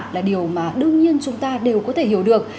là điều mà đương nhiên chúng ta đều có thể hiểu được